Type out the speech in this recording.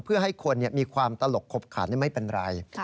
เพื่อให้คนมีความตลกขบขาดไม่เป็นไร